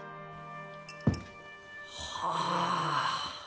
はあ。